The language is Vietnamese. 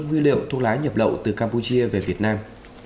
nguyên liệu thuốc lá nhập lậu từ campuchia về việt nam